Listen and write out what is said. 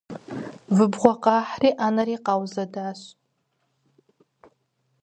Выбгъуэ къахьри ӏэнэри къаузэдыжащ.